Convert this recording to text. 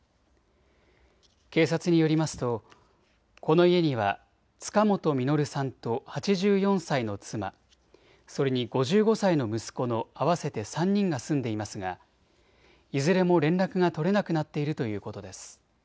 警察によりますとこの家には塚本実さんと８４歳の妻、それに５５歳の息子の合わせて３人が住んでいますがいずれも連絡が取れなくなっているということです。